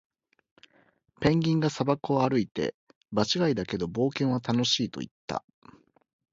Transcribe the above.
ペンギンが砂漠を歩いて、「場違いだけど、冒険は楽しい！」と言った。